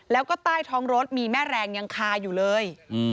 แล้วก็ใต้ท้องรถมีแม่แรงยังคาอยู่เลย